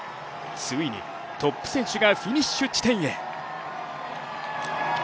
ついにトップ選手がフィニッシュ地点へ。